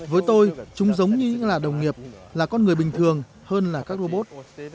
với tôi chúng giống như là đồng nghiệp là con người bình thường hơn là các robot